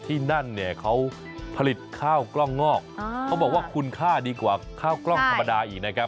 ที่นั่นเนี่ยเขาผลิตข้าวกล้องงอกเขาบอกว่าคุณค่าดีกว่าข้าวกล้องธรรมดาอีกนะครับ